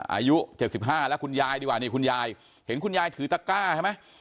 อายุ๗๕แล้วคุณยายดีกว่านี่คุณยายเห็นคุณยายถือตะกร้าใช่ไหม